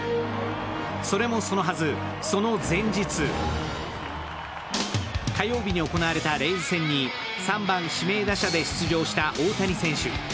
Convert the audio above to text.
それもそのはず、その前日火曜日に行われたレイズ戦に３番・指名打者で出場した大谷選手。